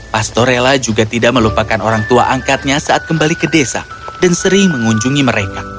pastor rela juga tidak melupakan orang tua angkatnya saat kembali ke desa dan sering mengunjungi mereka